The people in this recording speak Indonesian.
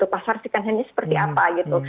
pasar second hand nya seperti apa gitu